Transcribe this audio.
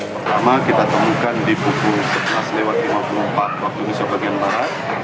pertama kita temukan di pukul sebelas lewat lima puluh empat waktu indonesia bagian barat